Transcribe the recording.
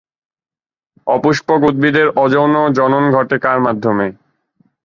অপুষ্পক উদ্ভিদের অযৌন জনন ঘটে কার মাধ্যমে?